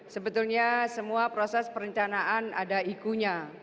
sebetulnya semua proses perencanaan ada ikunya